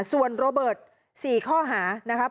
ส่วนโรเบิร์ต๔ข้อหานะครับ